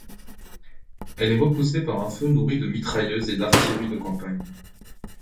Elle est repoussée par un feu nourri de mitrailleuses et d'artillerie de campagne.